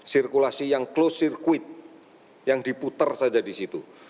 sirkulasi yang close circuit yang diputer saja di situ